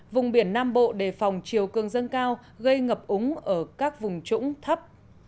vùng biển nam bộ đề phòng chiều cường dâng cao gây ngập úng ở các vùng trũng thấp